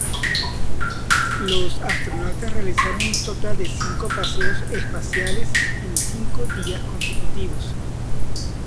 Los astronautas realizaron un total de cinco paseos espaciales en cinco días consecutivos.